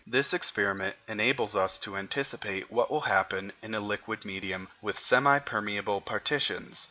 This experiment enables us to anticipate what will happen in a liquid medium with semi permeable partitions.